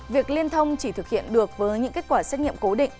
việc liên thông chỉ thực hiện được với những kết quả xét nghiệm cố định